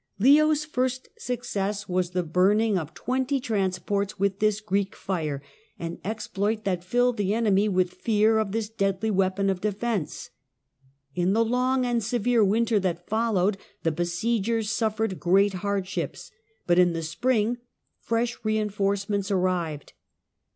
Leo's first success was the burning of twenty trans ports with this Greek fire, an exploit that filled the enemy with fear of this deadly weapon of defence. In the long arid severe winter that followed, the besiegers suffered great hardships, but in the spring fresh rein forcements arrived.